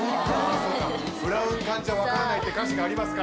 そうか「ブラウン管じゃわからない」って歌詞がありますから。